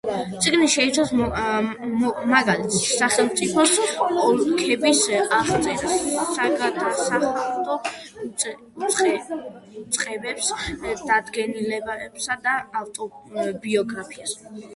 წიგნი შეიცავს მოგოლთა სახელმწიფოს ოლქების აღწერას, საგადასახადო უწყებებს, დადგენილებებსა და ავტობიოგრაფიას.